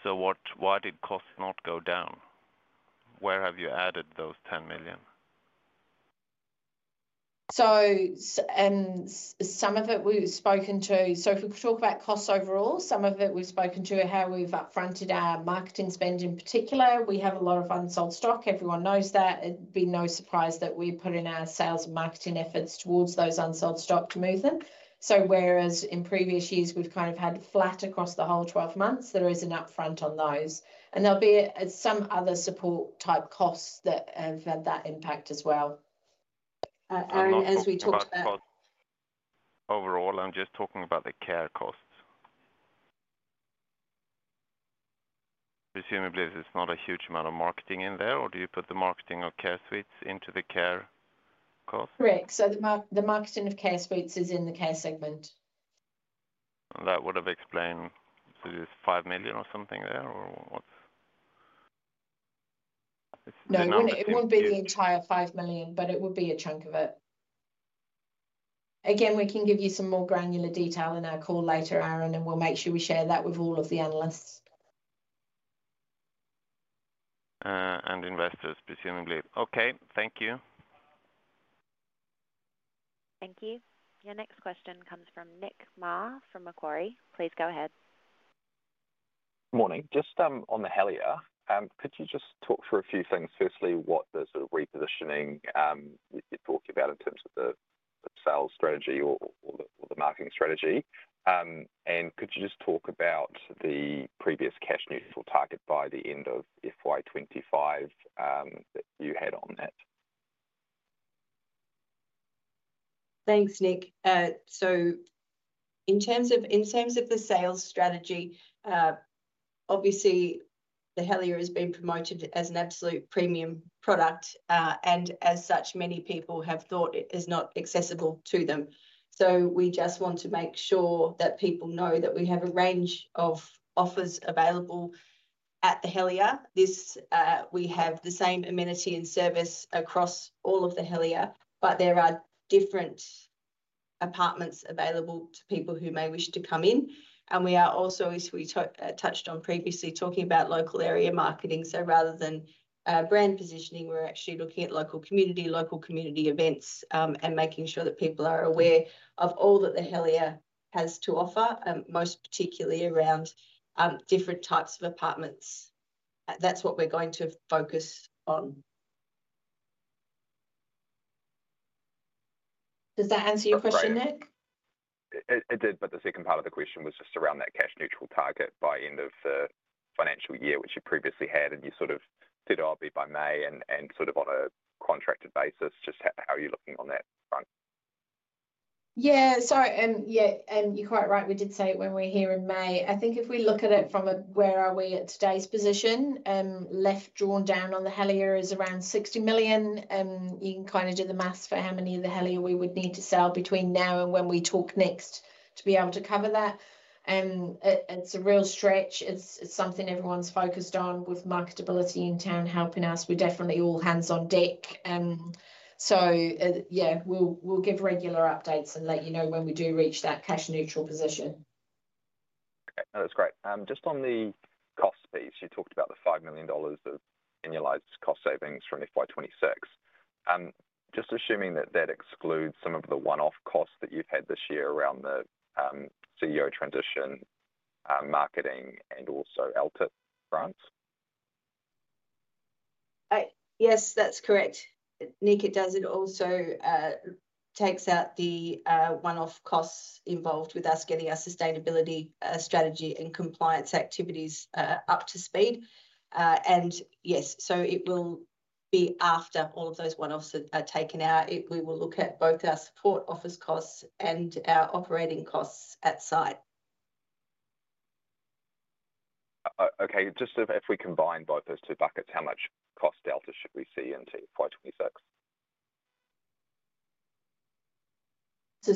F: Why did costs not go down? Where have you added those 10 million?
C: Some of it we've spoken to. If we talk about costs overall, some of it we've spoken to are how we've upfronted our marketing spend in particular. We have a lot of unsold stock. Everyone knows that. It'd be no surprise that we're putting our sales and marketing efforts towards those unsold stock to move them. Whereas in previous years, we've kind of had flat across the whole 12 months, there is an upfront on those. There'll be some other support-type costs that have had that impact as well. Aaron, as we talked about.
F: Overall, I'm just talking about the care costs. Presumably, there's not a huge amount of marketing in there, or do you put the marketing of Care Suites into the care cost?
C: Correct. So the marketing of Care Suites is in the care segment.
F: And that would have explained to this 5 million or something there, or what?
C: No, it wouldn't be the entire 5 million, but it would be a chunk of it. Again, we can give you some more granular detail in our call later, Aaron, and we'll make sure we share that with all of the analysts.
F: And investors, presumably. Okay. Thank you.
A: Thank you. Your next question comes from Nick Mar from Macquarie. Please go ahead.
G: Morning. Just on The Helier, could you just talk through a few things? Firstly, what the sort of repositioning you're talking about in terms of the sales strategy or the marketing strategy? And could you just talk about the previous cash neutral target by the end of FY2025 that you had on that?
B: Thanks, Nick. So in terms of the sales strategy, obviously, The Helier has been promoted as an absolute premium product, and as such, many people have thought it is not accessible to them. So we just want to make sure that people know that we have a range of offers available at The Helier. We have the same amenity and service across all of The Helier, but there are different apartments available to people who may wish to come in. And we are also, as we touched on previously, talking about local area marketing. So rather than brand positioning, we're actually looking at local community, local community events, and making sure that people are aware of all that the Helier has to offer, most particularly around different types of apartments. That's what we're going to focus on. Does that answer your question, Nick?
G: It did, but the second part of the question was just around that cash neutral target by end of the financial year, which you previously had, and you sort of said it'll be by May and sort of on a contracted basis. Just how are you looking on that front?
C: Yeah. So yeah, and you're quite right. We did say it when we're here in May. I think if we look at it from where are we at today's position, net drawn down on the Helier is around 60 million. You can kind of do the math for how many of the Helier we would need to sell between now and when we talk next to be able to cover that. It's a real stretch. It's something everyone's focused on with Marketability in town helping us. We're definitely all hands on deck. So yeah, we'll give regular updates and let you know when we do reach that cash neutral position.
G: Okay. That's great. Just on the cost piece, you talked about the 5 million dollars of annualized cost savings from FY2026. Just assuming that that excludes some of the one-off costs that you've had this year around the CEO transition, marketing, and also LTIP grants.
B: Yes, that's correct. Nick, it does. It also takes out the one-off costs involved with us getting our sustainability strategy and compliance activities up to speed. Yes, so it will be after all of those one-offs are taken out. We will look at both our support office costs and our operating costs at site.
G: Okay. Just if we combine both those two buckets, how much cost delta should we see into FY2026?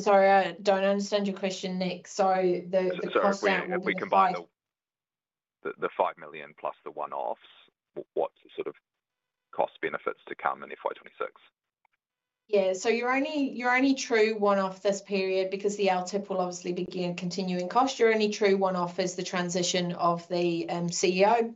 C: Sorry, I don't understand your question, Nick. The cost out will be.
G: If we combine the 5 million plus the one-offs, what sort of cost benefits to come in FY2026?
C: Yeah. You're only true one-off this period because the LTIP will obviously be continuing cost. Your only true one-off is the transition of the CEO.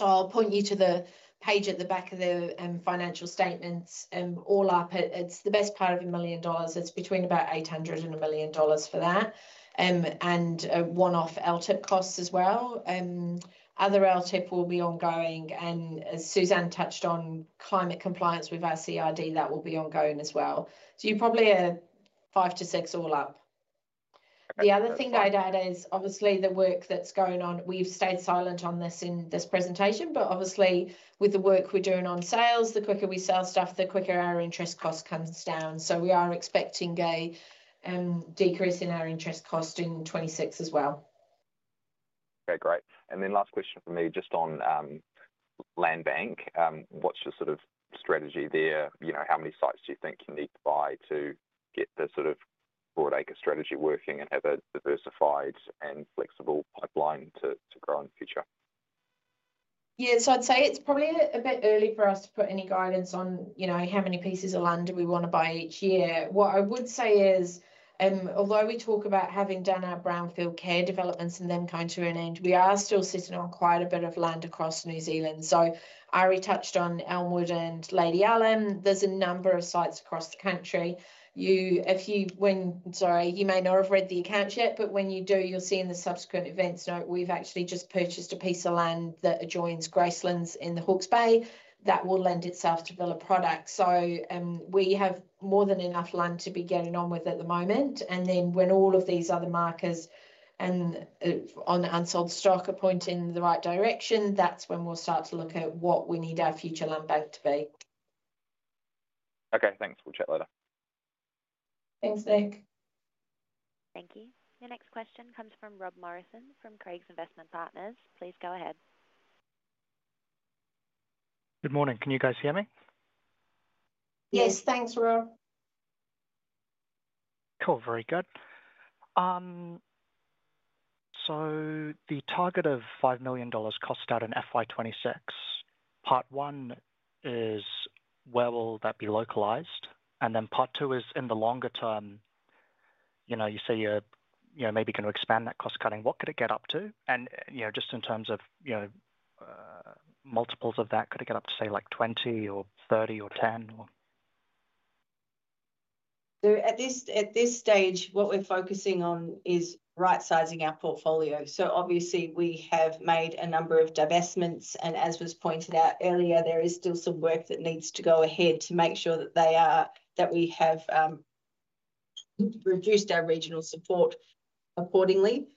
C: I'll point you to the page at the back of the financial statements. All up, it's the best part of a million dollars. It's between about 800,000 and 1 million dollars for that and one-off LTIP costs as well. Other LTIP will be ongoing. As Suzanne touched on, climate compliance with our CRD, that will be ongoing as well. So you're probably a five to six all up. The other thing I'd add is, obviously, the work that's going on. We've stayed silent on this in this presentation, but obviously, with the work we're doing on sales, the quicker we sell stuff, the quicker our interest cost comes down. So we are expecting a decrease in our interest cost in 2026 as well.
G: Okay. Great. And then last question for me, just on land bank, what's your sort of strategy there? How many sites do you think you need to buy to get the sort of broad acre strategy working and have a diversified and flexible pipeline to grow in the future?
C: Yeah. I'd say it's probably a bit early for us to put any guidance on how many pieces of land do we want to buy each year. What I would say is, although we talk about having done our brownfield care developments and then coming to an end, we are still sitting on quite a bit of land across New Zealand. So I already touched on Elmwood and Lady Allum. There's a number of sites across the country. If you, sorry, you may not have read the accounts yet, but when you do, you'll see in the subsequent events note, we've actually just purchased a piece of land that adjoins Gracelands in the Hawke's Bay that will lend itself to villa product. So we have more than enough land to be getting on with at the moment. And then when all of these other markers on the unsold stock are pointing in the right direction, that's when we'll start to look at what we need our future land bank to be.
G: Okay. Thanks. We'll chat later.
C: Thanks, Nick.
A: Thank you. Your next question comes from Rob Morrison from Craigs Investment Partners. Please go ahead.
H: Good morning. Can you guys hear me?
C: Yes. Thanks, Rob.
H: Cool. Very good. So the target of 5 million dollars cost out in FY2026, part one is where will that be localized? And then part two is in the longer term, you say you're maybe going to expand that cost cutting. What could it get up to? And just in terms of multiples of that, could it get up to say like 20 or 30 or 10 or?
B: So at this stage, what we're focusing on is right-sizing our portfolio. So obviously, we have made a number of divestments. And as was pointed out earlier, there is still some work that needs to go ahead to make sure that we have reduced our regional support accordingly.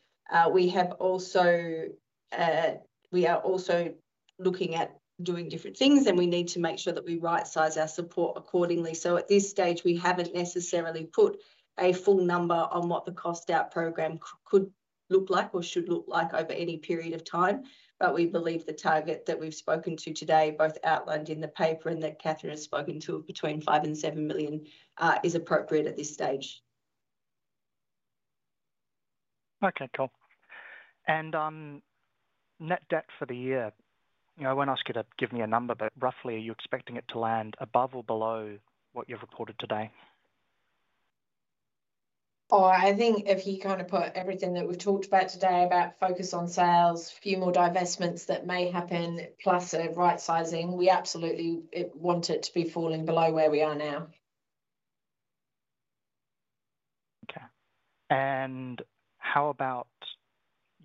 B: We are also looking at doing different things, and we need to make sure that we right-size our support accordingly. So at this stage, we haven't necessarily put a full number on what the cost out program could look like or should look like over any period of time. But we believe the target that we've spoken to today, both outlined in the paper and that Kathryn has spoken to, of between 5 million and 7 million is appropriate at this stage.
H: Okay. Cool. And net debt for the year, I won't ask you to give me a number, but roughly, are you expecting it to land above or below what you've reported today?
B: Oh, I think if you kind of put everything that we've talked about today about focus on sales, a few more divestments that may happen, plus a right-sizing, we absolutely want it to be falling below where we are now.
H: Okay. And how about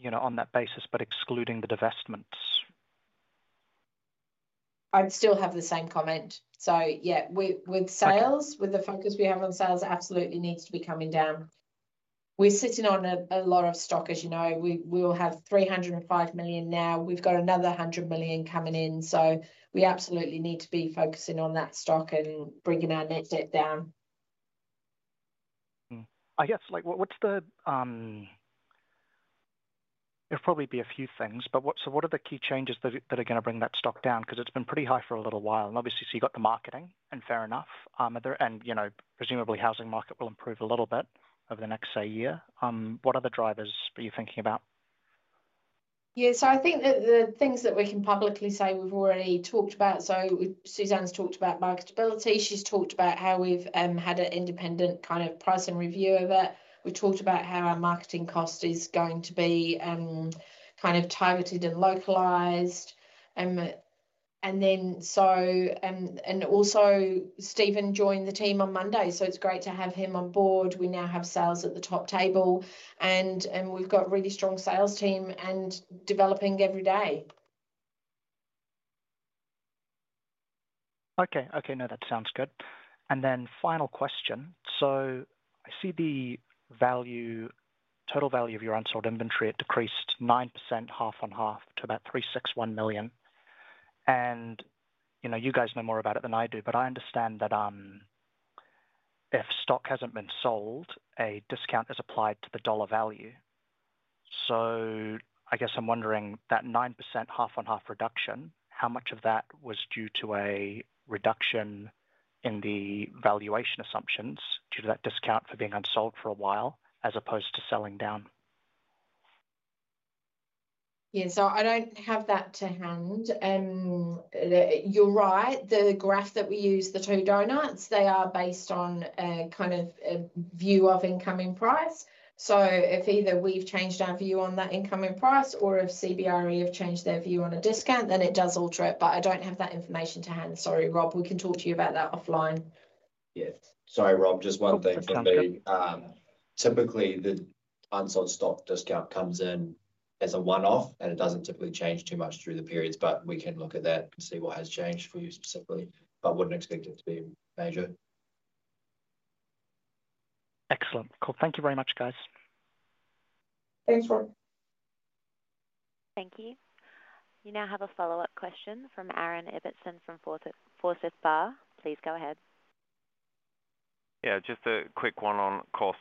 H: on that basis, but excluding the divestments?
B: I'd still have the same comment. So yeah, with sales, with the focus we have on sales, absolutely needs to be coming down. We're sitting on a lot of stock, as you know. We will have 305 million now. We've got another 100 million coming in. So we absolutely need to be focusing on that stock and bringing our net debt down.
H: I guess it'll probably be a few things, but so what are the key changes that are going to bring that stock down? Because it's been pretty high for a little while. And obviously, so you've got the marketing, and fair enough. And presumably, the housing market will improve a little bit over the next, say, year. What other drivers are you thinking about?
C: Yeah. So I think the things that we can publicly say we've already talked about. So Suzanne's talked about marketability. She's talked about how we've had an independent kind of price and review of it. We've talked about how our marketing cost is going to be kind of targeted and localised. And also, Stephen joined the team on Monday, so it's great to have him on board. We now have sales at the top table, and we've got a really strong sales team and developing every day.
H: Okay. Okay. No, that sounds good. And then final question. So I see the total value of your unsold inventory; it decreased 9%, half on half, to about 361 million. And you guys know more about it than I do, but I understand that if stock hasn't been sold, a discount is applied to the dollar value. So I guess I'm wondering that 9% half on half reduction, how much of that was due to a reduction in the valuation assumptions due to that discount for being unsold for a while as opposed to selling down?
C: Yeah. So I don't have that to hand. You're right. The graph that we use, the two donuts, they are based on a kind of view of incoming price. So if either we've changed our view on that incoming price or if CBRE have changed their view on a discount, then it does alter it. But I don't have that information to hand.
B: Sorry, Rob. We can talk to you about that offline.
I: Yeah. Sorry, Rob. Just one thing for me. Typically, the unsold stock discount comes in as a one-off, and it doesn't typically change too much through the periods, but we can look at that and see what has changed for you specifically, but wouldn't expect it to be major.
H: Excellent. Cool. Thank you very much, guys.
C: Thanks, Rob.
A: Thank you. You now have a follow-up question from Aaron Ibbotson from Forsyth Barr. Please go ahead.
F: Yeah. Just a quick one on costs.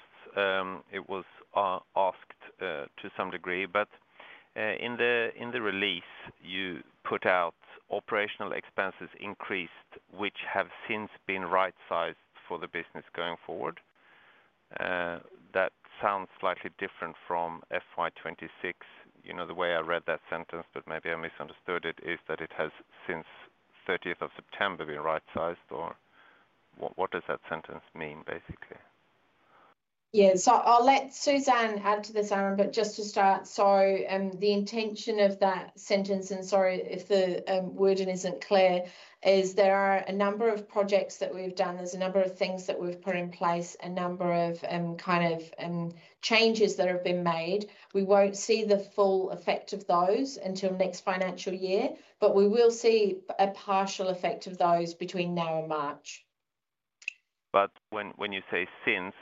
F: It was asked to some degree, but in the release, you put out operational expenses increased, which have since been right-sized for the business going forward. That sounds slightly different from FY2026. The way I read that sentence, but maybe I misunderstood it, is that it has since 30th of September been right-sized, or what does that sentence mean, basically?
C: Yeah. I'll let Suzanne add to this, Aaron, but just to start, so the intention of that sentence, and sorry if the wording isn't clear, is there are a number of projects that we've done. There's a number of things that we've put in place, a number of kind of changes that have been made. We won't see the full effect of those until next financial year, but we will see a partial effect of those between now and March.
F: But when you say since,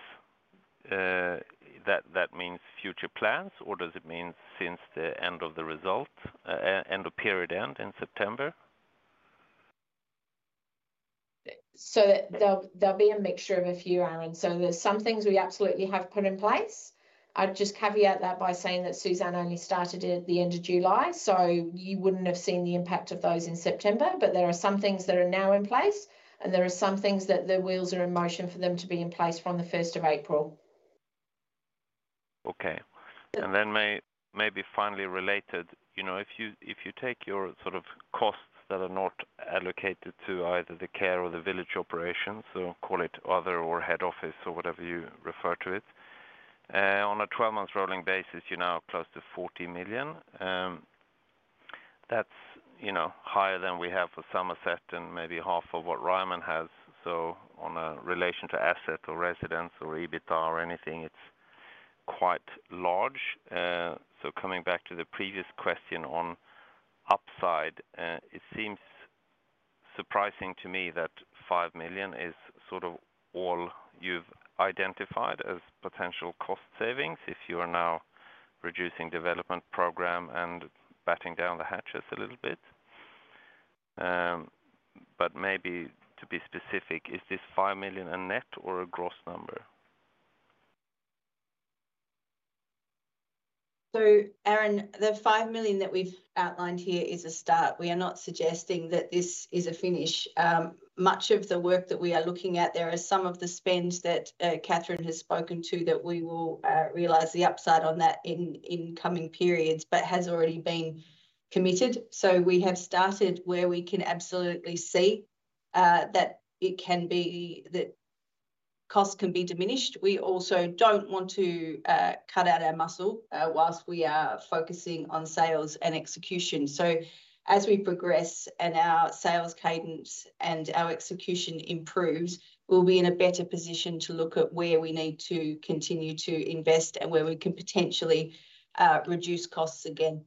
F: that means future plans, or does it mean since the end of the result, end of period end in September?
C: So there'll be a mixture of a few, Aaron. So there's some things we absolutely have put in place. I'd just caveat that by saying that Suzanne only started it at the end of July, so you wouldn't have seen the impact of those in September, but there are some things that are now in place, and there are some things that the wheels are in motion for them to be in place from the 1st of April.
F: Okay. And then maybe finally related, if you take your sort of costs that are not allocated to either the care or the village operations, so call it other or head office or whatever you refer to it, on a 12-month rolling basis, you're now close to 40 million. That's higher than we have for Summerset and maybe half of what Ryman has. So on a relation to asset or residents or EBITDA or anything, it's quite large. Coming back to the previous question on upside, it seems surprising to me that 5 million is sort of all you've identified as potential cost savings if you are now reducing development program and batten down the hatches a little bit. But maybe to be specific, is this 5 million a net or a gross number?
B: Aaron, the 5 million that we've outlined here is a start. We are not suggesting that this is a finish. Much of the work that we are looking at, there are some of the spends that Kathryn has spoken to that we will realize the upside on that in coming periods, but has already been committed. We have started where we can absolutely see that it can be that costs can be diminished. We also don't want to cut out our muscle while we are focusing on sales and execution. As we progress and our sales cadence and our execution improves, we'll be in a better position to look at where we need to continue to invest and where we can potentially reduce costs again.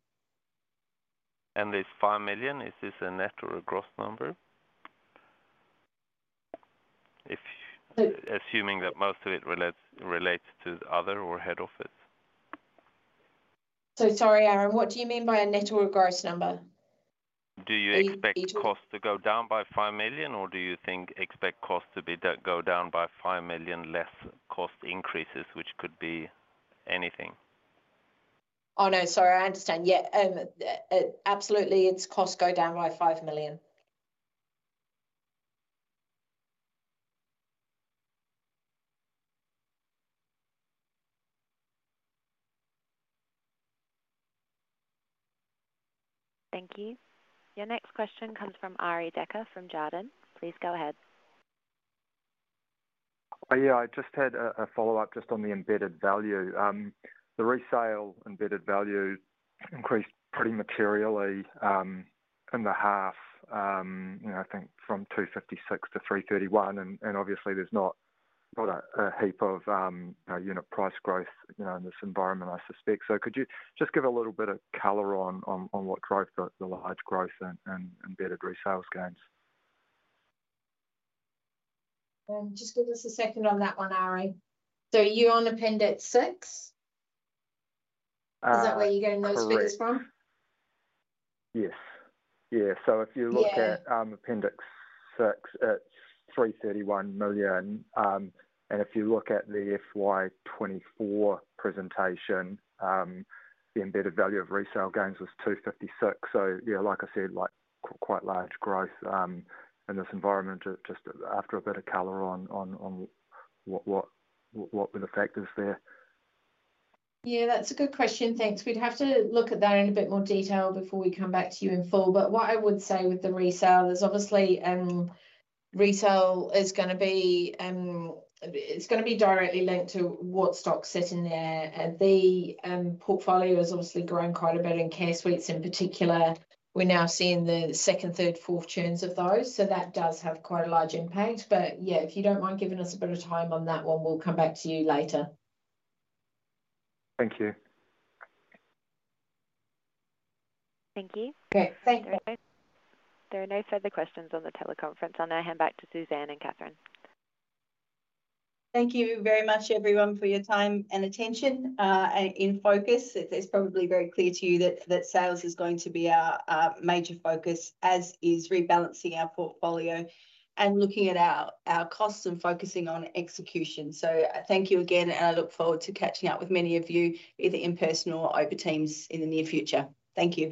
F: And this 5 million, is this a net or a gross number? Assuming that most of it relates to other or head office.
C: So sorry, Aaron, what do you mean by a net or a gross number?
F: Do you expect costs to go down by 5 million, or do you expect costs to go down by 5 million less cost increases, which could be anything?
B: Oh, no. Sorry, I understand. Yeah. Absolutely, it's costs go down by 5 million.
A: Thank you. Your next question comes from Arie Dekker from Jarden. Please go ahead.
D: Yeah. I just had a follow-up just on the embedded value. The resale embedded value increased pretty materially in the half, I think, from 256 million to 331 million. And obviously, there's not a heap of unit price growth in this environment, I suspect. So could you just give a little bit of color on what drove the large growth and embedded resale gains?
C: And just give us a second on that one, Arie. So you're on appendix 6? Is that where you're getting those figures from?
D: Yes. Yeah. So if you look at appendix 6, it's 331 million. And if you look at the FY2024 presentation, the embedded value of resale gains was 256 million. So yeah, like I said, quite large growth in this environment just after a bit of color on what were the factors there.
C: Yeah. That's a good question. Thanks. We'd have to look at that in a bit more detail before we come back to you in full. But what I would say with the resale is obviously resale is going to be it's going to be directly linked to what stock's sitting there. The portfolio has obviously grown quite a bit in Care Suites in particular. We're now seeing the second, third, fourth churns of those. So that does have quite a large impact. But yeah, if you don't mind giving us a bit of time on that one, we'll come back to you later.
D: Thank you.
A: Thank you. Okay. Thank you. There are no further questions on the teleconference. I'll now hand back to Suzanne and Kathryn.
B: Thank you very much, everyone, for your time and attention in focus. It's probably very clear to you that sales is going to be our major focus, as is rebalancing our portfolio and looking at our costs and focusing on execution. So thank you again, and I look forward to catching up with many of you, either in person or over Teams in the near future. Thank you.